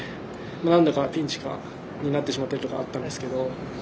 何度かピンチになってしまったところがあったんですけど。